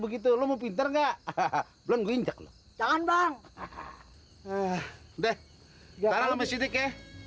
begitu lu pinter nggak hahaha belum gue injak jangan bang ah deh ya kalau masih ke